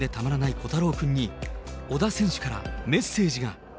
琥太郎君に小田選手からメッセージが。